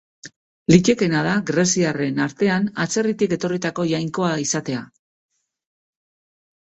Litekeena da greziarren artean atzerritik etorritako jainkoa izatea.